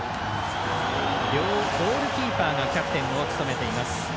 両ゴールキーパーがキャプテンを務めています。